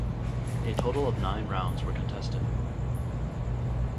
A total of nine rounds were contested.